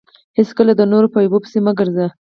هېڅکله د نورو په عیبو پيسي مه ګرځه!